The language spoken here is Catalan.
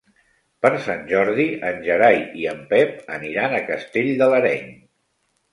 Per Sant Jordi en Gerai i en Pep aniran a Castell de l'Areny.